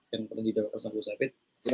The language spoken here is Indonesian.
yang pernah dibawah ini sama bukhari